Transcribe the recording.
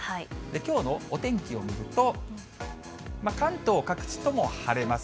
きょうのお天気を見ると、関東各地とも晴れます。